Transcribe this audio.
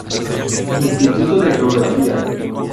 Instituto de Geografía.